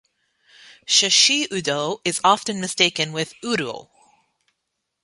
Shishiudo is often mistaken with udo.